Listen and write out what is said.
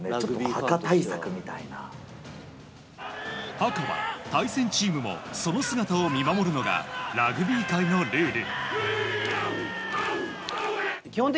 ハカは、対戦チームもその姿を見守るのがラグビー界のルール。